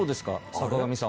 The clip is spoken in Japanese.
坂上さん。